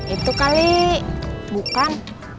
itu kali bukan